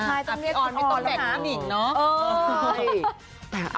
แต่พี่ออนไม่ต้องแบ่งพี่หนิงเนาะ